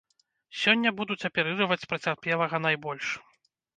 Сёння будуць аперыраваць пацярпелага найбольш.